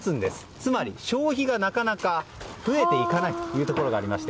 つまり、消費がなかなか増えていかないということがありまして